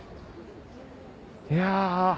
いや。